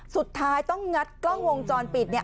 สุดท้ายต้องงัดกล้องวงจรปิดเนี่ย